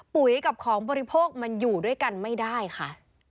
ปุ๋ยกับของบริโภคมันอยู่ด้วยกันไม่ได้ค่ะ